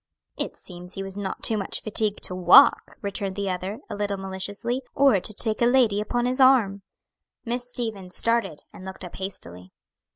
"It seems he was not too much fatigued to walk," returned the other, a little maliciously; "or to take a lady upon his arm." Miss Stevens started, and looked up hastily.